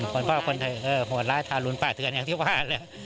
คนพ่อคนไทยโหดร้ายทาลุนป่าเถือนอย่างที่ว่า